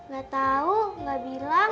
gak tau gak bilang